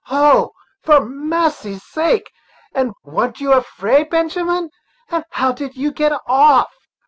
"Oh! for massy's sake! and wa'n't you afeard, Benjamin? and how did you get off?"